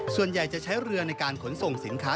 ส่วนใหญ่จะใช้เรือในการขนส่งสินค้า